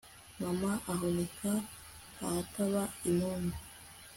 mama ahunika ahataba imungu